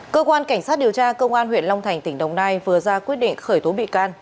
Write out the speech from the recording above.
cơ quan cảnh sát điều tra công an huyện long thành tỉnh đồng nai vừa ra quyết định khởi tố bị can